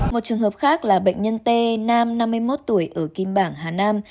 một trường hợp khác là bệnh nhân t nam năm mươi một tuổi ở kim bảng hà nam